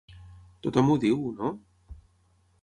Tothom ho diu, no?